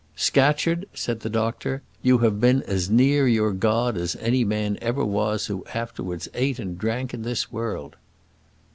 "Scatcherd," said the doctor, "you have been as near your God, as any man ever was who afterwards ate and drank in this world."